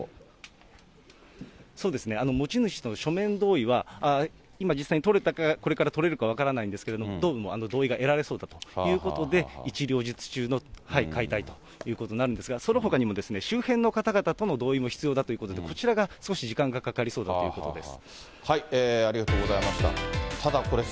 持ち主の書面同意は、今実際に取れたか、これから取れるか分からないんですけれども、どうも同意が得られそうだということで、一両日中の解体ということなんですが、そのほかにも、周辺の方々との同意も必要だということで、こちらが少し時間がかかりそうだということです。